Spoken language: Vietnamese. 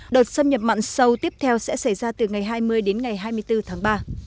đợt xâm nhập mặn sâu tiếp theo sẽ xảy ra từ ngày hai mươi đến ngày hai mươi bốn tháng ba